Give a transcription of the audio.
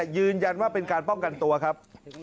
ยืนยันว่าเป็นการป้องกันตัวครับ